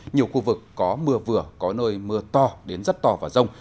nhiều khu vực có mưa vừa có nơi mưa to đến rất to và rông